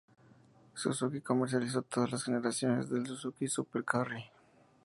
Suzuki comercializó todas las generaciones del Suzuki Super Carry.